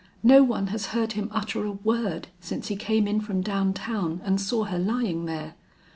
No one has heard him utter a word since he came in from down town and saw her lying there."